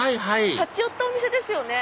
立ち寄ったお店ですよね。